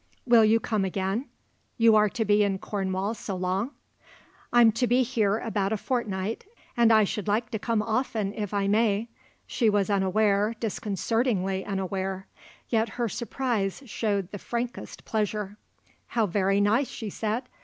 "Will you come again? You are to be in Cornwall so long?" "I'm to be here about a fortnight and I should like to come often, if I may." She was unaware, disconcertingly unaware; yet her surprise showed the frankest pleasure. "How very nice," she said.